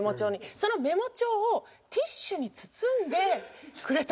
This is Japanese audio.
そのメモ帳をティッシュに包んでくれたんですよ。